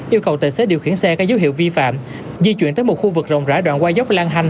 yêu cầu tài xế điều khiển xe các dấu hiệu vi phạm di chuyển tới một khu vực rộng rãi đoạn qua dốc lan hành